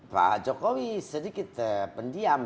pak jokowi sedikit pendiam